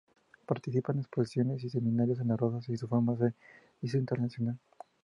Participa en exposiciones y seminarios en las rosas y su fama se hizo internacional.